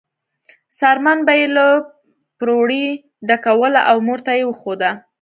څرمن به یې له پروړې ډکوله او مور ته یې وښوده.